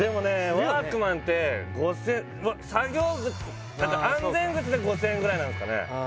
ワークマンって５０００作業靴だって安全靴で５０００円ぐらいなんですかね